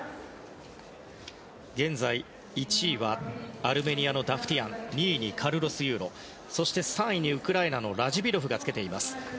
現在、１位はアルメニアのダフティアン２位にカルロス・ユーロそして、３位にウクライナのラジビロフがつけています。